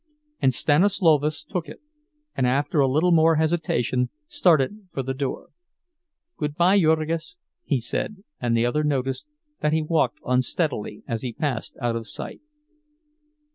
And Stanislovas took it, and after a little more hesitation, started for the door. "Good by, Jurgis," he said, and the other noticed that he walked unsteadily as he passed out of sight.